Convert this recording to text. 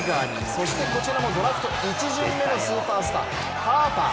そしてこちらもドラフト１巡目のスーパースター、ハーパー。